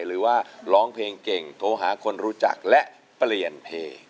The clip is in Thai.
หรือว่าร้องเพลงเก่งโทรหาคนรู้จักและเปลี่ยนเพลง